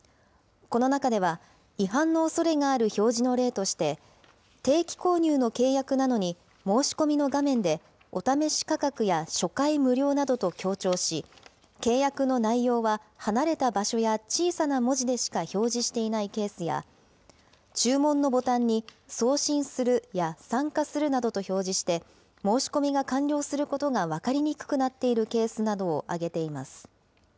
この中では、違反のおそれがある表示の例として、定期購入の契約なのに、申し込みの画面で、お試し価格や初回無料などと強調し、契約の内容は離れた場所や小さな文字でしか表示していないケースや、注文のボタンに送信するや、参加するなどと表示して、申し込みが完了することが分かりにくくなっているケースなどを挙げています。